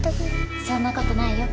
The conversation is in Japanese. そんなことないよ。